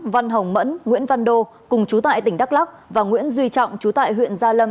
văn hồng mẫn nguyễn văn đô cùng chú tại tỉnh đắk lắc và nguyễn duy trọng chú tại huyện gia lâm